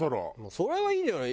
それはいいんじゃない？